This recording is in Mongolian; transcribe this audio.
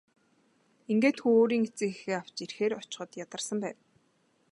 Ингээд хүү өөрийн эцэг эхээ авч ирэхээр очиход ядарсан байв.